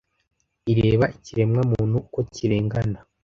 ireba ikiremwamuntu uko kirengana